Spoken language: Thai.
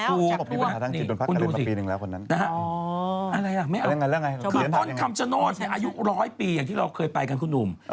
ลองดูสินะฮะอะไรล่ะไม่เอาต้นชะโนดในอายุ๑๐๐ปีอย่างที่เราเคยไปกันคุณหนุ่ม